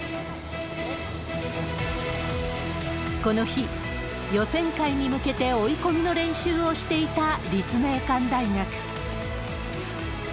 この日、予選会に向けて追い込みの練習をしていた立命館大学。